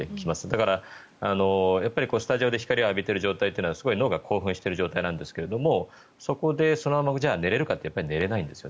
だから、スタジオで光を浴びている状態は脳が興奮している状態なんですがそこでそのまま寝れるかといったら寝れないんです。